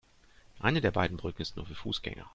Eine der beiden Brücken ist nur für Fußgänger.